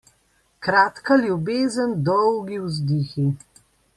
Kratka ljubezen, dolgi vzdihi.